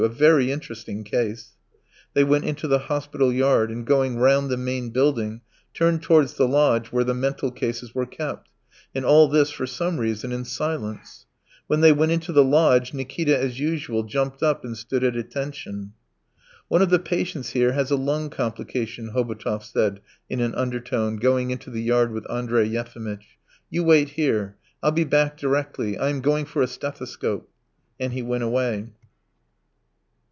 A very interesting case." They went into the hospital yard, and going round the main building, turned towards the lodge where the mental cases were kept, and all this, for some reason, in silence. When they went into the lodge Nikita as usual jumped up and stood at attention. "One of the patients here has a lung complication." Hobotov said in an undertone, going into the yard with Andrey Yefimitch. "You wait here, I'll be back directly. I am going for a stethoscope." And he went away.